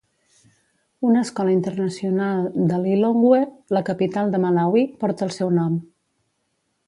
Una escola internacional de Lilongwe, la capital de Malawi, porta el seu nom.